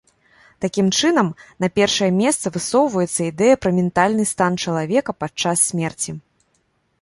Такім чынам, на першае месца высоўваецца ідэя пра ментальны стан чалавека падчас смерці.